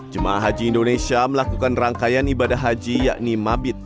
jemaah haji indonesia melakukan rangkaian ibadah haji yakni mabit